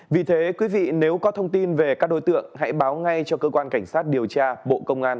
vì thế quý vị nếu có thông tin về các đối tượng hãy báo ngay cho cơ quan cảnh sát điều tra bộ công an